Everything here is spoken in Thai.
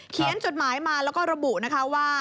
เขียนจดหมายมาแล้วก็ระบุนะคะว่า